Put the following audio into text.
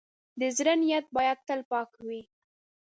د زړۀ نیت باید تل پاک وي.